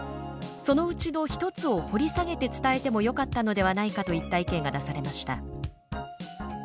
そのうちの一つを掘り下げて伝えてもよかったのではないか」といった意見が出されました。